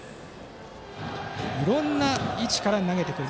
いろいろな位置から投げてくる。